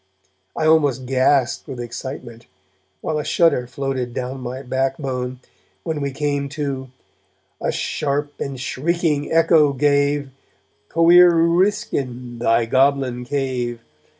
I almost gasped with excitement, while a shudder floated down my backbone, when we came to: A sharp and shrieking echo gave, Coir Uriskin, thy goblin cave!